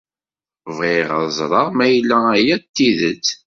Bɣiɣ ad ẓreɣ ma yella aya d tidet.